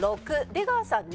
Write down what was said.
６出川さん